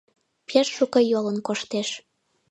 Пеш шуко йолын коштеш.